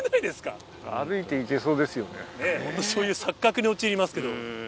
ホントにそういう錯覚に陥りますけど。